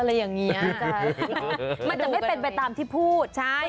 อะไรอย่างเงี้ยใช่มันจะไม่เป็นไปตามที่พูดใช่